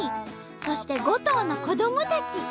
そして５頭の子どもたち。